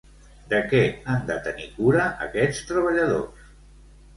De què han de tenir cura aquests treballadors?